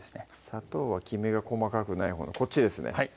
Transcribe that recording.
砂糖はきめが細かくないほうのこっちですねはい